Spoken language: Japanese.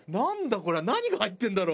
これは。何が入ってるんだろう？